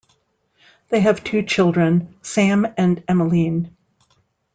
They have two children, Sam and Emelyn.